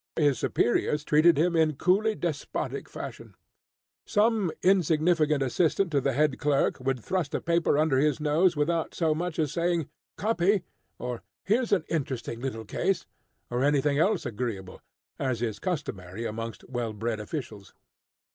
His superiors treated him in coolly despotic fashion. Some insignificant assistant to the head clerk would thrust a paper under his nose without so much as saying, "Copy," or, "Here's an interesting little case," or anything else agreeable, as is customary amongst well bred officials.